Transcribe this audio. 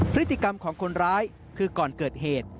พฤติกรรมของคนร้ายคือก่อนเกิดเหตุ